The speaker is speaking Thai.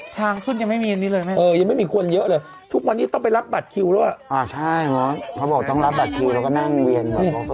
ทางขึ้นยังไม่มีอันนี้เลยแม่ตั้งแต่ทุกวันนี้ต้องไปรับบัตรคิวแล้วอ่ะใช่เหรอพอบอกต้องรับบัตรคิวเราก็แม่งเวียน